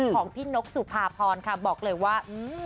ของพี่นกสุภาพรค่ะบอกเลยว่า